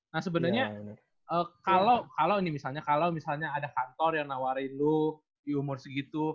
nah sebenarnya kalau misalnya ada kantor yang nawarin lu di umur segitu